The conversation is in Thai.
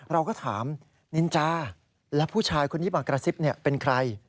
เราก็ถามนินจาแล้วผู้ชายคนนี้มากระซิบเป็นใคร